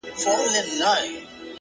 څه د اضدادو مجموعه یې د بلا لوري،